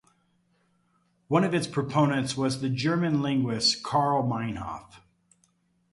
One of its proponents was the German linguist Carl Meinhof.